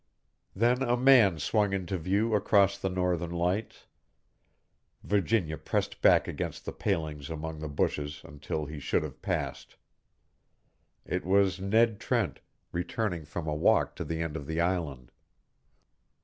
Then a man swung into view across the Northern Lights. Virginia pressed back against the palings among the bushes until he should have passed. It was Ned Trent, returning from a walk to the end of the island.